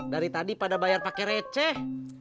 dari tadi pada bayar pakai receh